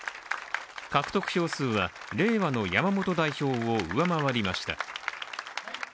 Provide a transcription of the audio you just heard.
獲得票数は、れいわの山本代表を上回りました。